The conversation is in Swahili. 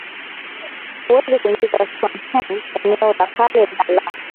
huwezi kuingiza Stonehenge Eneo la kale na la